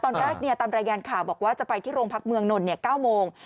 ตอนแรกตามรายงานข่าวบอกว่าจะไปที่โรงพักเมืองนนท์๙โมง